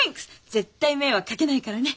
絶対迷惑かけないからね。